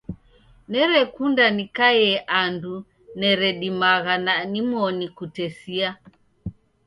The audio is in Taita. Nerekunda nikaie andu neredimagha na nimoni kutesia.